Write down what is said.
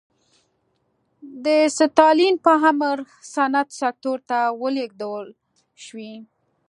د ستالین په امر صنعت سکتور ته ولېږدول شوې.